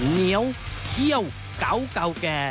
เหนียวเขี้ยวเก่าแก่